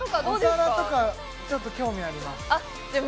お皿とかちょっと興味ありますじゃあ